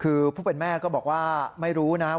คือผู้เป็นแม่ก็บอกว่าไม่รู้นะ